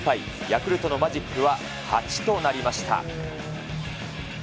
ヤクルトのマジックは８となりました。